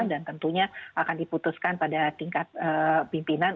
dan tentunya akan diputuskan pada tingkat pimpinan